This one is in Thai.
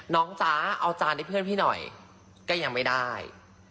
จ๊ะเอาจานให้เพื่อนพี่หน่อยก็ยังไม่ได้